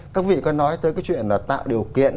các vị có nói tới cái chuyện là tạo điều kiện